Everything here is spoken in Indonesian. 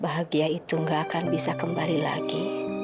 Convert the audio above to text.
bahagia itu gak akan bisa kembali lagi